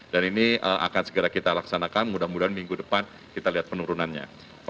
dan ini akan segera kita laksanakan mudah mudahan minggu depan kita lihat penurunannya